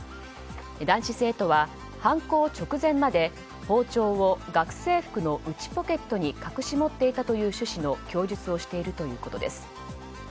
男子生徒は犯行直前まで包丁を学生服の内ポケットに隠し持っていたとの趣旨の供述をしているということです。